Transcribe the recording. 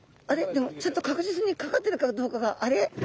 でもちょっと確実にかかってるかどうかが。